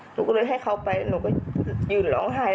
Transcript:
หนูก็เลยให้เขาไปหนูก็ยืนร้องไห้